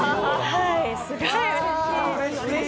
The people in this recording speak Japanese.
すごいうれしい。